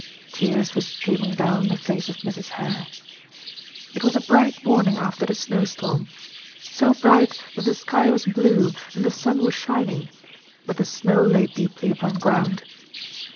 Tears were streaming down the face of Mrs. Hare. It was a bright morning after the snowstorm, so bright that the sky was blue, and the sun was shining, but the snow lay deeply upon ground.